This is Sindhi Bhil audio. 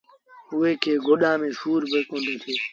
اُئي کي ڪوڏآن ميݩ سُور ڪوندو ٿئي۔